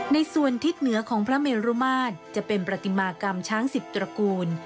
ในส่วนทิศเหนือของพระเมรุมาตรจะเป็นประติมากรรมช้างสิบตระกูล